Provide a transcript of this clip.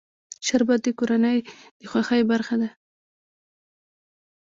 شربت د کورنۍ د خوښۍ برخه ده